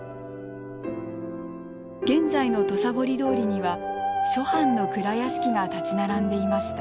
現在の土佐堀通には諸藩の蔵屋敷が立ち並んでいました。